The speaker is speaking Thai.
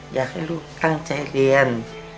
อยากให้ลูกตั้งใจเรียน